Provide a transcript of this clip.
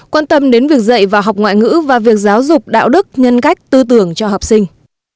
quan tâm đến việc dạy và học ngoại ngữ và việc giáo dục đạo đức nhân cách tư tưởng cho học sinh